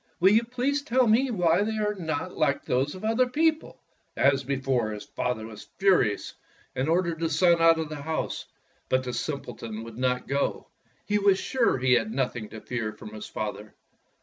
Will you please tell me why they are not like those of other people?" As before, the father was furious and or Fairy Tale Foxes 37 dered the son out of the house. But the simpleton would not go. He was sure he had nothing to fear from his father.